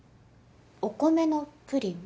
お米のプリン？